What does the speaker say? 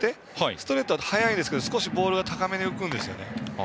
ストレート、速いですけど少しボールが高めに浮くんです。